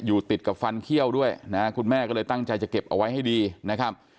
ติดกับฟันเขี้ยวด้วยนะคุณแม่ก็เลยตั้งใจจะเก็บเอาไว้ให้ดีนะครับ